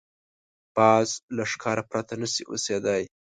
باز له ښکار پرته نه شي اوسېدای